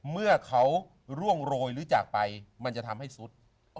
เมื่อเขาร่วงโรยหรือจากไปมันจะทำให้สุด